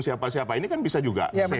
siapa siapa ini kan bisa juga